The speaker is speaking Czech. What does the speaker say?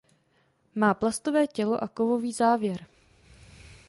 Má plastové tělo a kovový závěr.